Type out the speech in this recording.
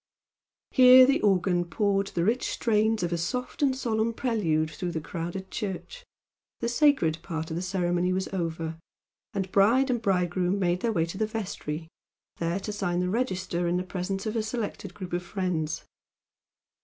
Here the organ poured the rich strains of a soft and solemn prelude through the crowded church the "sacred" part of the ceremony was over, and bride and bridegroom made their way to the vestry, there to sign the register in the presence of a selected group of friends.